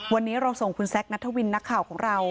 วันนี้เราส่งคุณแซคนัทวินนักข่าวของเรา